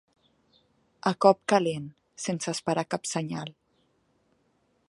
A cop calent, sense esperar cap senyal.